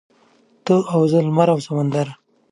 ته او زه لمر او سمندر.